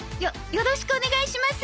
よろしくお願いします